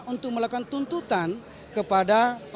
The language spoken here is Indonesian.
untuk melakukan tuntutan kepada